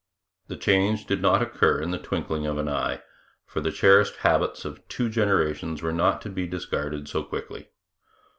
The change did not occur in the twinkling of an eye, for the cherished habits of two generations were not to be discarded so quickly.